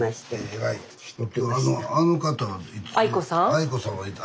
愛子さんはいつ？